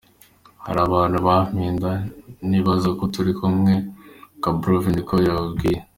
"Hari abantu bampenda nibaza ko turi kumwe,"Gorbachev niko yambwiye.